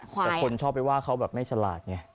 แต่คนชอบไปว่าเขาแบบไม่ฉลาดไง